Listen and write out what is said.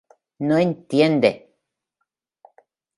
No entiende!